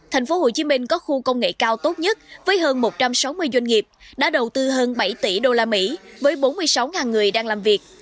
tp hcm có khu công nghệ cao tốt nhất với hơn một trăm sáu mươi doanh nghiệp đã đầu tư hơn bảy tỷ usd với bốn mươi sáu người đang làm việc